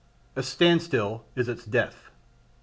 A standstill is its death.